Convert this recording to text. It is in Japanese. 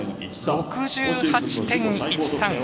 ６８．１３。